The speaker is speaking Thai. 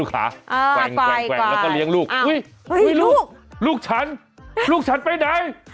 แกว่งแล้วก็เลี้ยงลูกอุ้ยลูกลูกฉันลูกฉันไปไหน